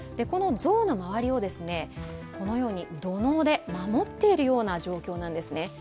この像の周りをこのように土のうで守っているような状況なんですね。